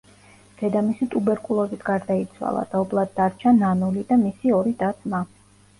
დედამისი ტუბერკულოზით გარდაიცვალა, და ობლად დარჩა ნანული და მისი ორი და-ძმა.